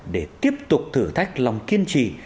để tiếp tục thử thách lòng kiên trì